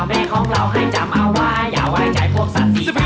แม่ของเราให้จำเอาไว้อย่าไว้ใจพวกสัตว์สี